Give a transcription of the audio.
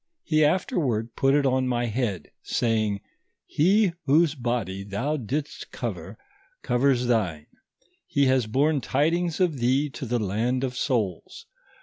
He afterward put it on ray head, saying :" He whose body thou didst cover, covers thine ; he has borne tidings of thee to the land of souls.